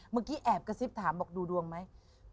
เมื่อกี้แอบกระซิบถามบอกดูดวงไหม